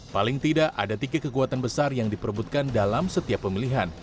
paling tidak ada tiga kekuatan besar yang diperbutkan dalam setiap pemilihan